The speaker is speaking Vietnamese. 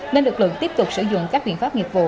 nên lực lượng tiếp tục sử dụng các biện pháp nghiệp vụ